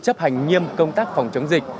chấp hành nghiêm công tác phòng chống dịch